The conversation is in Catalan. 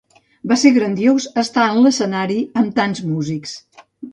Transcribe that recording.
Va ser grandiós estar en l'escenari amb tants músics.